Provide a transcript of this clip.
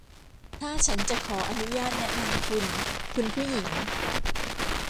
ถ้าฉันจะขออนุญาตแนะนำคุณ คุณผู้หญิง